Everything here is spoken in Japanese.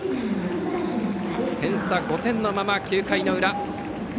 点差５点のまま９回の裏。